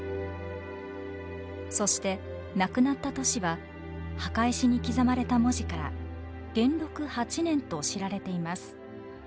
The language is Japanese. そして亡くなった年は墓石に刻まれた文字から元禄８年と知られています。